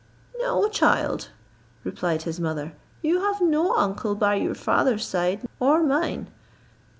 "No, child," replied his mother, "you have no uncle by your father's side, or mine."